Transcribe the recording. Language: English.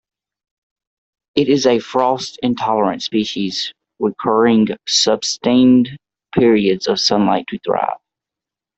It is a frost intolerant species requiring sustained periods of sunlight to thrive.